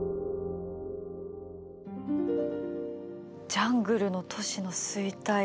ジャングルの都市の衰退。